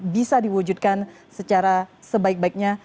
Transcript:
bisa diwujudkan secara sebaik baiknya